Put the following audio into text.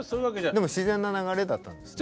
でも自然な流れだったんですね。